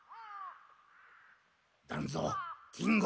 団蔵金吾。